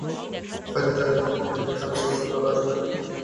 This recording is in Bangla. কাছে যেতেই জানা গেল, তাঁরা আসলে ঠিক নিচের তলার প্রদর্শনী দেখতে এসেছিলেন।